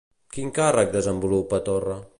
Quin càrrec desenvolupa Torra?